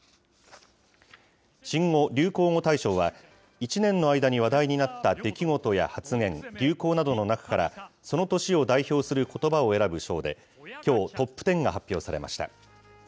新語・流行語大賞は、１年の間に話題になった出来事や発言、流行などの中から、その年を代表することばを選ぶ賞で、きょう、トップテンが発表されました。